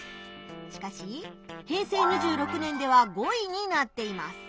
しかし平成２６年では５位になっています。